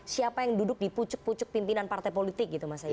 siapa yang duduk di pucuk pucuk pimpinan partai politik gitu mas haji